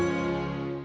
ini belum dihidupin